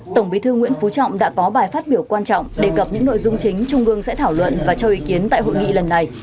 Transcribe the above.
tổng bí thư nguyễn phú trọng đã có bài phát biểu quan trọng đề cập những nội dung chính trung ương sẽ thảo luận và cho ý kiến tại hội nghị lần này